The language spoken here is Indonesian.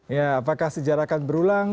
ya apakah sejarah akan berulang